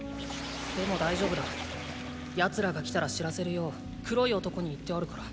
でも大丈夫だ奴らが来たら知らせるよう黒い男に言ってあるから。